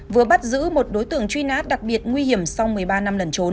vừa bắt giữ một đối tượng truy nát đặc biệt nguy hiểm